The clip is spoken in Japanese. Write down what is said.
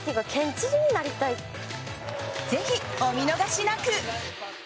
ぜひお見逃しなく！